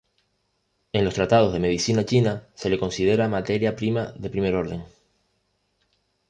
En los tratados de medicina china se le considera materia prima de primer orden.